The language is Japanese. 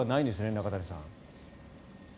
中谷さん。